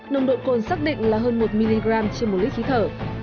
nồng độ cồn xác định là hơn một mg trên một lít khí thở